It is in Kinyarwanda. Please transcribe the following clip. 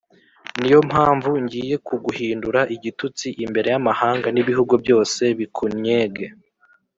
Ni yo mpamvu ngiye kuguhindura igitutsi imbere y amahanga n ibihugu byose bikunnyege